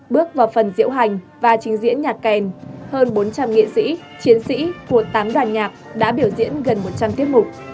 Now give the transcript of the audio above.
bước vào phần diễu hành và trình diễn nhạc kèn hơn bốn trăm linh nghệ sĩ chiến sĩ của tám đoàn nhạc đã biểu diễn gần một trăm linh tiết mục